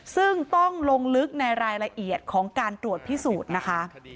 ซึ่งต้องลงลึกในรายละเอียดของการตรวจพิสูจน์นะคะ